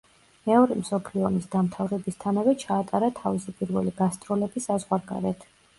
მეორე მსოფლიო ომის დამთავრებისთანავე ჩაატარა თავისი პირველი გასტროლები საზღვარგარეთ.